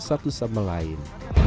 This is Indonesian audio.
satu sama lain